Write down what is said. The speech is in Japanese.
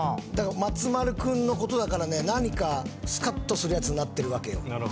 松丸君のことだからね何かスカっとするやつになってるわけよ。